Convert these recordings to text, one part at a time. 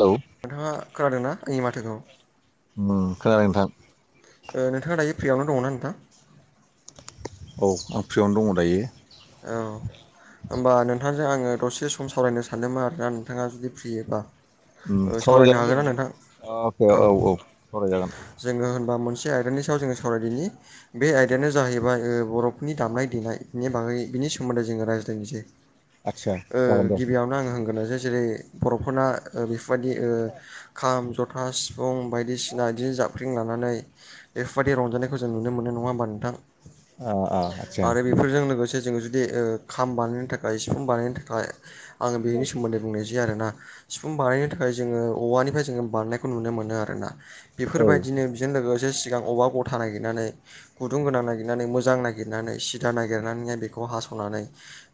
Hello. नोंथाङा खोनादों नना आंनि माथोखौ खोनादों नोंथां नोंथाङा दायो फ्रियावनो दङना नोंथां। औ आं फ्रियावनो दङ दायो। औ होमबा नोंथां। ओमफ्राय आङो दसे सम सावरायनो सानदोंमोन आरोना नोंथाङा जुदि फ्रियोबा ओ सावरायनो हागोन सावरायजागोन ना दे नोंथां अके औ औ सावरायजागोन। जोङो होनबा मोनसे आयदानि सायाव जोङो सावरायदिनि बे आयदायानो जाहैबाय बर'। नि दामनाय देनाय बागै बिनि सोमोन्दै जोङो रायज्ले आदसा जागोन दे गिबियावनो। आं होनांगोन ज जेरै बर'फोरना बेफोरबायदि ख ज खथा सिफुं बायदिसिना बिदिनो जाब फक्रिं लानानै बेफोरबायदि रंजानायखौ जों नुनो मोनो नङा होमबा नोंथां। ओ ओ आदसा आरो औ बेफोरजों लोगोसे जोंङ जुदि खाम बानायनो थाखाय सिफुं बानायनो थाखाय। आङो बेनि सोमोन्दै बुंनायसै आरोना सिफुं बानायनो थाखाय जोङो औवानिफ्राय जोङो बानायनायखौ नुनो मोनो आरोना बेफोरबादिनो बेजों लोगोसे सिगां औवा गथा नागिरनानै गुदुं गोनां नागिरनानै मोजां नागिरनानै सिदा नागिरनानै बेखौ बे खौ हास'नानै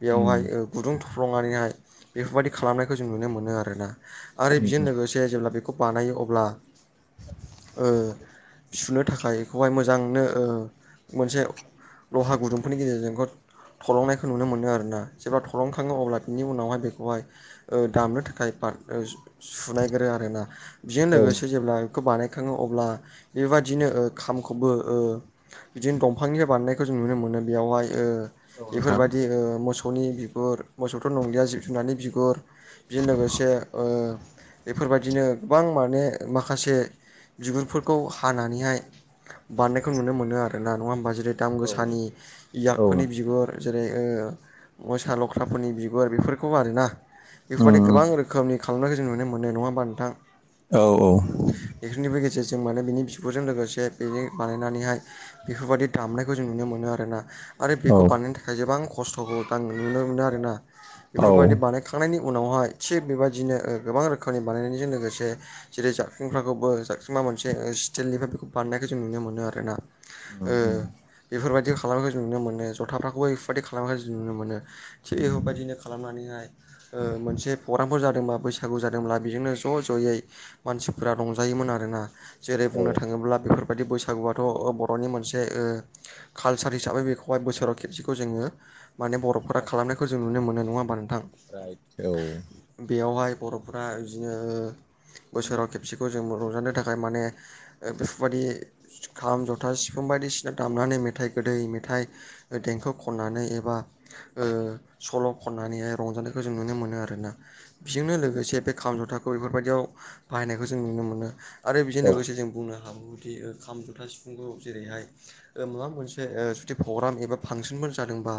बेयावहाय‌ ओ गुदुं थुफ्लंनानैहाय बेफोरबादि खालामनायखौ जों नुनो मोनो आरोना आरो उम बेजों उम लोगोसे जेब्ला बेखौ खौ बानायो अब्ला ओ सुनो थाखाय बेखौहाय मोजांनो ओ मोनसे लहा गुदुंफोरनि गेजेरजों खौ थलंनायखौ नुनो मोनो आरो ना जेब्ला थलंखाङो अब्ला बिनि उनावहाय बेखौहाय ओ‌ दामनो थाखाय बार सुनायग्रो आरोना बेजों लोगोसे जेब्ला खो बानायखाङो अब्ला बेबादिनो ओ खामखौबो ओ बिदिनो दंफांनि बानायनायखौ जों नुनो मोनो बेयावहाय ओ उम औ इफोरबायदि ओ मोसौ मोसौनि बिगुर मोसौथ' नंलिआ जिब जुनारनि बिगुर बेजों लोगोसे ओ इफोरबादिनो गोबां माने माखासे बिबगुरफोरखौ हानानैहाय बानायनायखौ नुनो मोनो आरो ना नङा होमबा जेरै दाम गोसानि औ इयाबफोरनि बिगुर जेरै ओ मोसा लख्राफोरनि बिगुर बेफोरखौ आरोना नोंथां औ बेफोरबादि गोबां रोखोमनि खालामनायखौ जों नुनो मोनो नङा हाबा नोंथां औ औ इफोरनिबो गेजेरजों माने बेनि बिगुरजों लोगोसे बेनि बानायनानैहाय बेफोरबादि दामनायखौ जों नुनो मोनो आरोना आरो खौ बानायनायनि थाखाय गोबां खस्थ'खौ दा आं नुनो मोनो आरोना इफोरबायदि औ बानायनाय खां खांनायनि उनावहाय थिग बेबायदिनो ओ गोबां रोखोमनि बानायनायनिजों लोगोसे जेरै जाबख्रिंफ्राखौबो जाबख्रिं आं मोनसे ओ स्टिलनिफ्राय बेखौ बारनायखौ जों नुनो मोनो आरो ना उम ओ बेफोरबादि खालामनायखौ जों नुनो मोनो ज'थाफ्राखौहाय इफोरबायदि खालामनाय जों नुनो मोनो थिग उम बेफोरबायदिनो खालामनानैहाय ओ मोनसे प्रग्रामफोर जादोंबा बैसागु जादोंब्ला बेजोंनो ज' ज'यै मानसिफोरा रंजायोमोन आरोना जेरै औ बुंनो थाङोब्ला बेफोर ओरैबादि बैसागुआथ' बर'नि मोनसे ओ कालचार हिसाबै बेखौहाय बोसोराव खेबसेखौ जोङो माने बर'फोरा खालामनायखौ जों नुनो मोनो नङा होमबा नोंथां राइद औ बेयावहाय बर'फोरा बिनो ओ बोसोराव खेबसेखौ जों रंजानो थाखाय माने ओ बेफोरबादि खाम, ज'था, सिफुं बायदिसिना दामनानै मेथाइ गोदै मेथाइ ओ देंखो खननानै एबा ओ सल' खननानैहाय रंजानायखौ जों नुनो मोनो आरोना बेजोंनो लोगोसे बे खाम जथाखौ बेफोरबादिआव बाहायनायखौ जों नुनो मोनो आरो बेजों औ लोगोसे जों बुंनो हागौदि ओ खाम जथा सिफुंखौ जेरैहाय ओ माबा मोनसे जुदि ओ फ्र'ग्राम एबा फांसोनफोर जादोंबा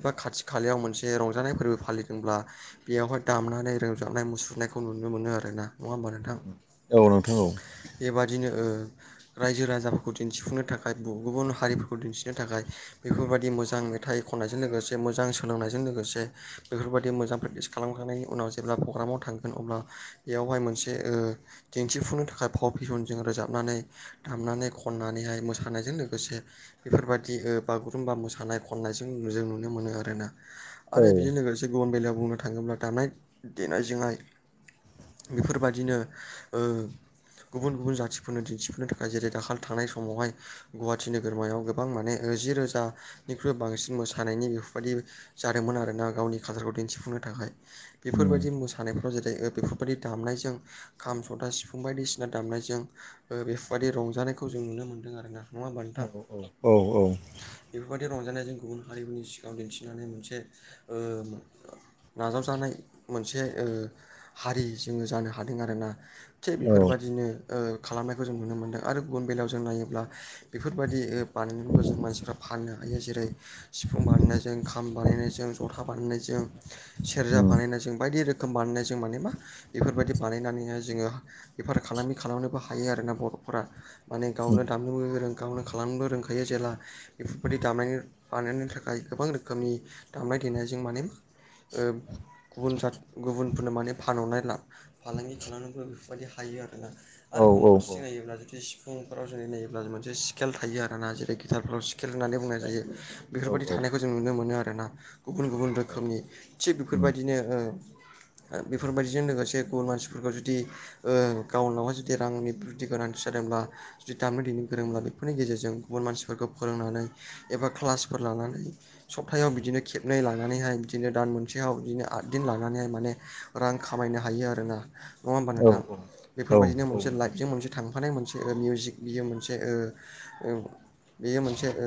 एबा खाथि खालायाव मोनसे रंजानाय फोरबो फालिदोंब्ला बेयावहाय दामनानै रोंजाबानाय मुसुरनायखौ नुनो मोनो आरोना नङा होमबा नोंथां हो औ नोंथां औ बेबादिनो ओ रायजो राजाफोरखौ दिन्थिफुंनो थाखाय गुबुन हारिफोरखौ दिन्थिनो थाखाय बेफोरबादि मोजां मेथाइ खननायजों लोगोसे मोजां सोलोंनायजों लोगोसे बेफोरबादि मोजां प्रेक्टिस खालामखांनायनि उनाव जेब्ला फ्र'ग्रामाव थांगोन अब्ला बेयावहाय मोनसे ओ दिन्थिफुंनो थाखाय फाव फेसनजों रोजाबनानै दामनानै खननानैहाय मोसानायजों लोगोसे बेफोरबादि ओ बागुरुम्बा मोसानाय खननायजों जों नुनो मोनो आरोना औ आरो बेयो लोगोसे बागु गुबुन बेलायाव बुंनो थाङोब्ला दामनाय देनायजोंहाय बेफोरबादिनो ओ गुबुन गुबुन जाथिफोरनो दिन्थिफुनो थाखाय जेरै दाखाल थांनाय समावहाय गुवाहाटि नोगोरमायाव गोबां माने नैजि रोजानिख्रुइ बांसिन मोसानायनि बेफोर बायदि जादोंमोन आरोना गावनि कालचारखौ दिन्थिफुंनो थाखाय बेफोर उम बायदि मोसा नायफ्राव जेरै बेफोर बायदि दामनायजों खाम, जथा, सिफुं बायदिसिना दामनायजों ओ बेफोर बायदि रंजानायखौ जों नुनो मोनदों आरोना। औ औ औ औ। बेफोर बायदि रंजानायजों गुबुन हारिफोरनि सिगाङाव दिन्थिनानै मोनसे ओ नाजावजानाय मोनसे ओ हारि जोङो जानो हादों आरोना। थिग बेफोर बादिनो ओ खालामनायखौ जों नुनो मोन्दों आरो गुबुन बेलायाव जों नायोब्ला बेफोर बादि ओ बानायनानैबो जों मानसिफ्रा फाननो हायो जेरै सिफुं बानायनायजों खाम बानायनायजों जथा बानायनायजों सेरजा उम बानायनायजों बायदि रो खोम बानायनाय जों माने मा बेफोर बायदि बानायनानैहाय जोङो बेफार फालांगि खालामनोबो हायो आरोना बर'फोरा। माने गावनो दामनोबो गोरों गावनो खालामनोबो रोंखायो जेला बेफोर बायदि दामनायनि बानायनो थाखाय गोबां रोखोमनि दामनाय देनायजों माने ओ गुबुन जात गुबुनफोरनो माने फानहरनाय लां फालांगि खालामनोब्ला बेफोर बायदि हायो आरोना आरो औ गुबुन औ फारसे नायोब्ला जुदि सिफुंफोराव जोंदि नायोब्ला मोनसे स्केल थायो आरो ना जेरै गिटारफोराव खेल होननानै बुंनाय जायो बेफोर बायदि औ औ थानायखौ जों नुनो मोनो आरोना। गुबुन गुबुन रोखोमनि थिग उम बेफोरणबायदिनो ओ ओ बेफोर बायदिजों लोगोसे गुबुन मानसिफोरखौ जुदि ओ गावनावहाय जुदि रांनि बेफोरथि गोनांथि जादोंब्ला जुदि दामनो देनो गोरोंब्ला बेफोरनि गेजेरजों गुबुन मानसिफोरखौ फोरोंनानै एबा क्लासफोर लानानै सब्तायाव बिदिनो खेबनै लानानैहाय बिदिनो दान मोनसेयाव बिदिनो आद दिन लानानैहाय माने रां खामायनो हायो आरोना नङा ओमबा औ नोंथां बेफोर औ बायदिनो मोनसे लाइफजों औ मोनसे थांफानाय मोनसे ओ मिउजिक बियो मोनसे ओ बेयो मोनसे ओ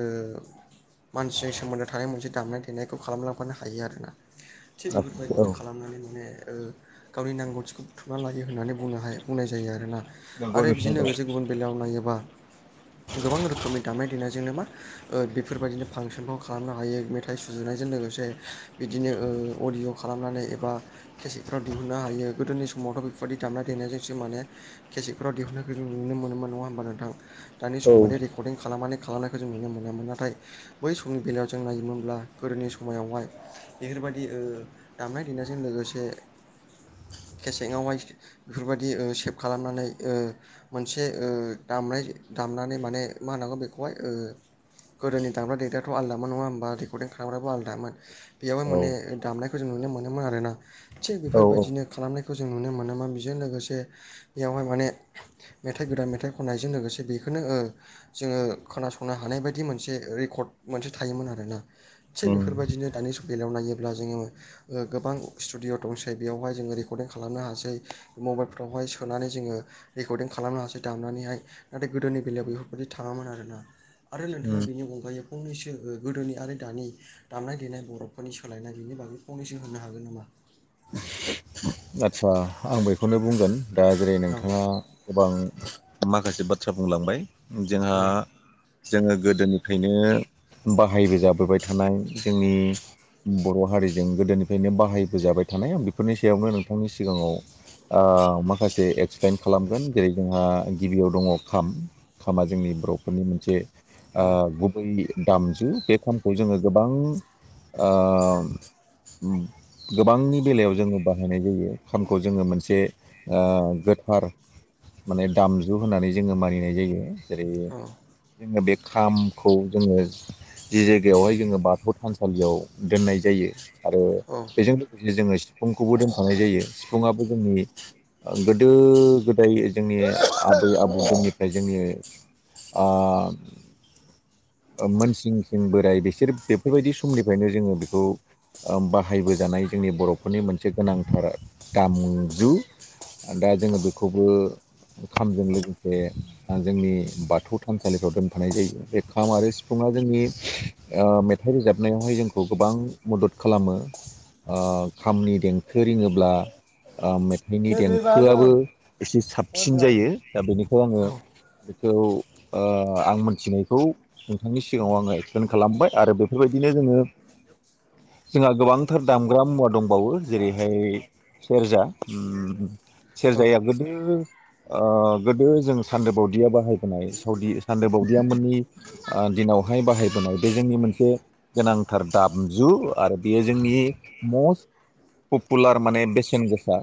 मानसिजों सोमोन्दो थानाय मोनसे दामनाय- दे थेनायखौ खालामलांफानो हायो आरोना थिग बेफोर औ बायदिनो खालामनानै माने ओ गावनि नांगौथिखौ बुथुमना लायो होननानै बुंनो हा बुंनाय जायो आरोना नंगौ आरो बिजों नोंथां लोगोसे गुबुन बेलायाव नायोबा गोबां रोखोमनि दामानायनाय देनायजोंनो मा ओ बेफोर बायदिनो फांसनखौ खालामनो हायो मेथाइ सुजुनायजों लोगोसे बिदिनो ओ अडअ' खालामनानै एबा केसेकफ्राव दिहुननो हायो गोदोनि समावथ' बेफोर बायदि दामनाय देनायजोंसो माने केसेकफोराव दिहुननायखौ जों नुनो मोनोन नङा होमबा नोंथां दानि औ सम बादि रे खालामनानै खालामनायखौ जों नुनो मोनामोन नाथाय बै समनि बेलायाव जों नायोमोनब्ला गोदोनि समायावहाय बेफोर बायदि ओ दामनाय देनायजों लोगोसे खसेंआवहाय बेफोर बायदि ओ सेभ खालामनानै ओ मोनसे ओ दामनाय दामनानै माने मा होनांगौ बेखौहाय ओ गोदोनि दामग्रा देग्रायाथ' आलदामोन नङा होमबा रेकर्डिं खालामग्राबो आलदामोन। बेयावहाय औ माने दामनायखौ जों नुनो मोनोमोन आरोना थिग औ बेफोर बायदिनो खालामनायखौ जों नुनो मोनोमोन बेजों लोगोसे बेयावहाय माने मेथाइ गोदान मेथाइ खननायजों लोगोसे बेखोनो ओ जोङो खोनासंनो हानाय बायदि मोनसे रेकर्ड मोनसे थायोमोन आरोना। थिग उम बेफोर बायदिनो दानि बेलायाव नायोब्ला जोङो ओ गोबां स्टुडिअ दंसै बेयावहाय जोङो रेकर्डिं खालामनो हासै। मबाइलफ्रावहाय सोनानै जोङो रेकर्डिं खालामनो हासै दामनानैहाय नाथाय गोदोनि बेलायाव बेफोर बेफोर बायदि थाङामोन आरोना आरो उम नोंथाङा बेनि अनगायै फंनैसो ओ गोदोनि आरो दानि दामनाय देनाय बर'फोरनि सोलायनाय बेनि बागै फंनैसो होनो हागोन नामा? आच्चा आं बेखौनो बुंगोन दा जेरै औ नोंथाङा गोबां माखासे बाथ्रा बुंलांबाय जोंहा औ जोङो गोदोनिफ्रायनो बाहायबोजाबोबाय थानाय जोंनि बर' हारिजों गोदोनिफ्रायनो बाहायबोजाबाय थानाय बेफोरनि सायावनो नोंथांनि सिगांङाव माखासे एक्सपेेन खालामगोन जेरै जोंहा गिबियाव दंङो खाम खामा जोंनि बर'फोरनि मोनसे औ गुबै दामजु बे खानखौ जोंङो गोबां गोबांनि बेलायाव जोंङो बाहायनाय फानखौ जोंङो मोनसे गोथार माने दामजु होननानै जोंङो मानिनाय जायो। जेरै जोंङो बे खामखौ जोंङो जि जायगायावहाय जोंङो बाथौ थानसालि फालियाव दोननाय जायो आरो औ बेजों लोगोसे जोंङो सिफुंखौबो दोन थानाय जायो सिफुंङाबो जोंनि गोदो गोदाय जोंनि आबै आबौफोरनिफ्राय जोंङो आ मोनसिंसिं बोराय बिसोर बेफोरबायदि समनिफ्रायनो जोंङो बेखौ बाहायबोजानाय जोंनि बर'फोरनि मोनसे गोनांथार दामजु दा जोंङो बेखौबो खामजों लोगोसे जोंनि बाथौ थानसालिफ्राव दोनफानाय जायो बे खाम आरो सिफुंङा जोंनि ओ मेथाइ रोजाबनायावहाय जोंखौ गोबां मदद खालामो खामनि देंखो फोरोंङोब्ला मेथाइनि देंखोआबो एसे साबसिन जायो दा बेनिखौ आंङो औ बेखौ आं मोनथिनायखौ नोंथांनि सिगांङाव आंङो एक्सप्लेन खालामबाय आरो बेफोरबायदिनो जोंङो जोंहा गोबांथार दामग्रा मुवा दंबावो जेरैहाय सेरजा सेरजाया गोदो गोदो जों सान्दो बावदिया बाहायबोनाय सावदि सान्दो बावदिया मोननि दिनावहाय बाहायबोनाय बे जोंनि मोनसे गोनांथार दामजु आरो बेयो जोंनि मस्ट पपुलार माने बेसेन गोसा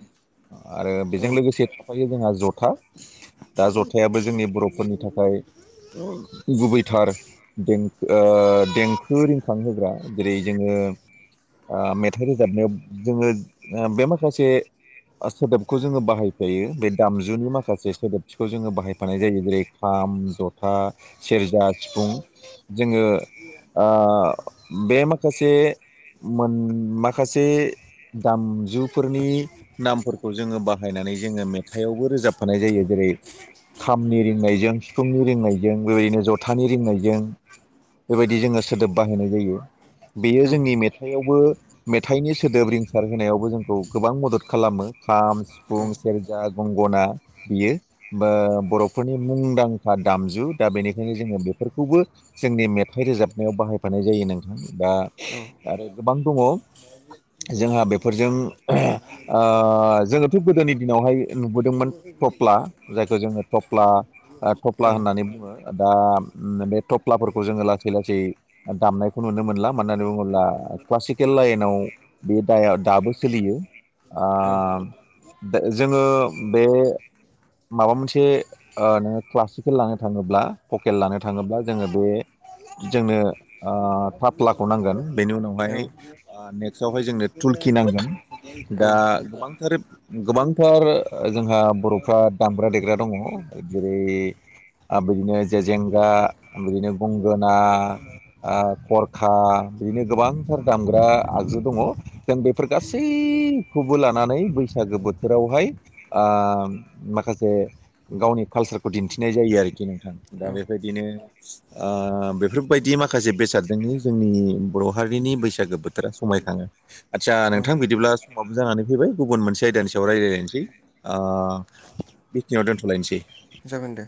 आरो औ बेजों लोगोसे थाफायो जोंहा जथा दा जथायाबो जोंनि बर'फोरनि थाखाय गुबैथार दें ओ देंखो रिंखां होग्रा जेरै जोंङो मेथाइ रोजाबनायाव जोंङो बे माखासे सोदोबखौ जोंङो बाहायफायो बे दामजुनि माखासे सोदोबखौ जोंङो बाहायफानाय जायो जेरै खाम जथा सेरजा सिफुं जोंङो बे माखासे मोन माखासे दामजुफोरनि नामफोरखौ जोंङो बाहायनानै जोंङो मेथाइआवबो रोजाबफानाय जायो जेरै खामनि रिंनायजों सिफुंनि रिंनायजों बेबायदिनो जथानि रिंनायजों बेबायदि जोंङो सोदोब बाहायनाय जायो बेयो जोंनि मेथाइआवबो मेथाइनि सोदोब रिंसार होनायावबो जोंखौ गोबां मदद खालामो खाम सिफुं सेरजा गंगना बियो बा बर'फोरनि मुंदांखा दामजु दा बेनिखायनो जोंङो बेफोरखौबो जोंनि मेथाइ रोजाबनायाव बाहायफानाय जायो नोंथां दा आरो गोबां दंङो जोंहा बेफोरजों जोङोथ' गोदोनि दिनावहाय नुबोदोंमोन। थफ्ला जायखौ जोंङो थफ्ला थफ्ला होननानै बुंङो। दा बे थफ्लाफोरखौ जोंङो लासै लासै दामनायखौ नुनो मोनला मानो होननानै बुंङोब्ला क्लासिकेल लाइनाव बे दा दाबो सोलियो दा जोंङो बे माबा मोनसे नोंङो क्लासिकेल लानो थांङोब्ला भकेल लानो थांङोब्ला जोंङो बे जोंनो थाफ्लाखौ नांगोन बेनि उनावहाय नेक्ट सयावहाय जोंनो थुलखि नांगोन दा औ गोबांथार गोबांथार जोंहा बर'फ्रा दामग्रा देग्रा दंङो जेरै आरो बिदिनो जेजेंगा बिदिनो गंगोना खरखा बिदिनो गोबांथार दामग्रा आगजु दङ जों बेफोर गासैखौबो लानानै बैसागो बोथोरावहाय माखासे गावनि कालसारखौ दिन्थिनाय जायो आरोखि नोंथां औ दा बेबायदिनो बेफोरबायदि माखासे बेसादजोंनो जोंनि बर' हारिनि बैसागो बोथोरा समाय थाङो आदसा नोंथां बिदिब्ला समावो जानानै फैबाय गुबुन मोनसे आयदानि सायाव रायज्लायनोसै बेखिनियाव दोनथ'लायनोसै जागोन दे